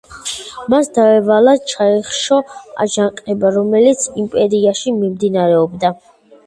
მას დაევალა ჩაეხშო აჯანყება, რომელიც იმპერიაში მიმდინარეობდა.